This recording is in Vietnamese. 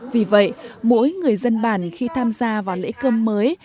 vì vậy mỗi người dân bản khi tham gia vào lễ cơm mới